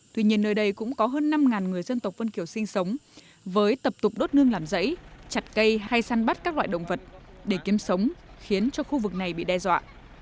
tuy nhiên nơi đây cũng có hơn năm người dân tộc vân kiều sinh sống với tập tục đốt nương làm rẫy chặt cây hay săn bắt các loại động vật để kiếm sống khiến cho khu vực này bị đe dọa